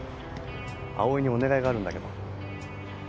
葵にお願いがあるんだけど。